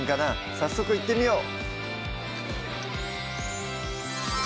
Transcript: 早速いってみよう